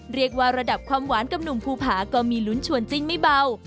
เรียกว่าระดับความหวานกับหนุ่มภูผาก็มีลุ้นชวนจิ้นไม่เบา